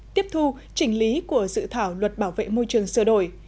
tiếp thu chỉnh lý của dự thảo luật bảo vệ môi trường sửa đổi